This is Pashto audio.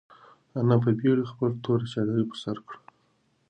انا په بېړه خپله توره چادري پر سر کړه.